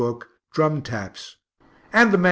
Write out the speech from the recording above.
book "Drum Taps," and the MS.